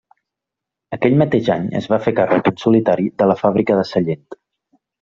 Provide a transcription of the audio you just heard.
Aquell mateix any es va fer càrrec en solitari de la fàbrica de Sallent.